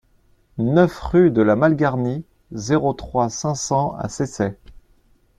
neuf rue de la Malgarnie, zéro trois, cinq cents à Cesset